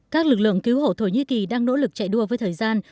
các lực lượng cứu hộ thổ nhĩ kỳ đang nỗ lực chạy đua với thời gian